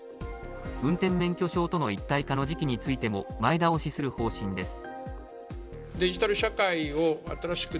運転免許証との一体化の時期についても、前倒しする方針です。